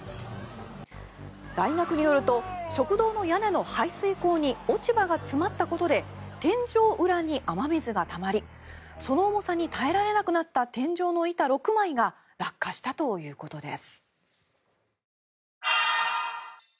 大学によると食堂の屋根の排水口に落ち葉が詰まったことで天井裏に雨水がたまりその重さに耐えられなくなった天井の板６枚が落下したということです。